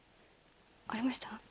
ありました？